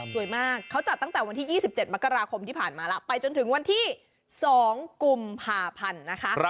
สวยมากเขาจัดตั้งแต่วันที่๒๗มกราคมที่ผ่านมาแล้วไปจนถึงวันที่๒กุมภาพันธ์นะคะ